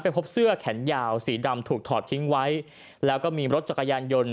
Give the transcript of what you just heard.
พบเสื้อแขนยาวสีดำถูกถอดทิ้งไว้แล้วก็มีรถจักรยานยนต์